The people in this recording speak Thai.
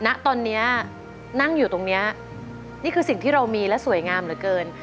ณตอนนี้นั่งอยู่ตรงนี้นี่คือสิ่งที่เรามีและสวยงามเหลือเกิน